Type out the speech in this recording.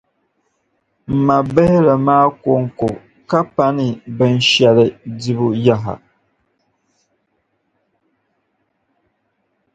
o ma bihili maa kɔŋko ka pani binshɛli dibu yaha.